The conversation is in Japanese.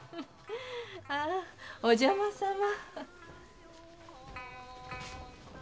あらお邪魔さま。